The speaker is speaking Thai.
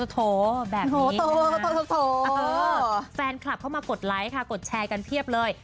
โถแบบนี้นะคะโถฟานคลับเข้ามากดไลค์ค่ะกดแชร์กันเพียบเลย